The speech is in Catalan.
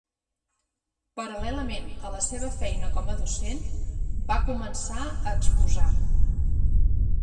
Paral·lelament a la seva feina com a docent, va començar a exposar.